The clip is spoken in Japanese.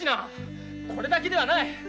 これだけではない。